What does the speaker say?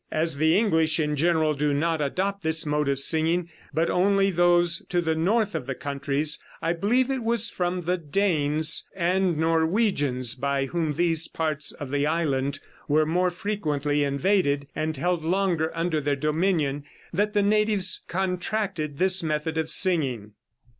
As the English in general do not adopt this mode of singing, but only those to the north of the countries, I believe it was from the Danes and Norwegians, by whom these parts of the island were more frequently invaded, and held longer under their dominion, that the natives contracted this method of singing."